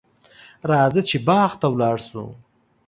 راځه چې باغ ته ولاړ شو.